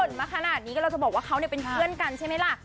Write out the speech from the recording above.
มาขนาดนี้ก็เราจะบอกว่าเขาเป็นเพื่อนกันใช่ไหมล่ะ